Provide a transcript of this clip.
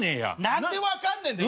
何で分かんねえんだよ